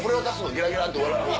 ゲラゲラ！」って笑う。